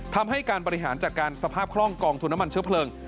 ทำให้การบริหารจัดการสภาพคล่องกองทุนน้ำมันเชื้อเพลิง